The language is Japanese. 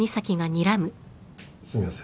すみません。